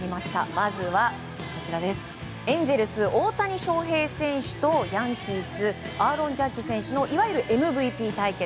まずはエンゼルス大谷翔平選手とヤンキースのアーロン・ジャッジ選手のいわゆるＭＶＰ対決。